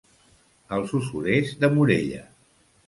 Els usurers de Morella.